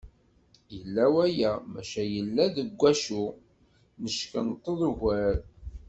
Yella waya, maca yella deg wacu neckenṭeḍ ugar.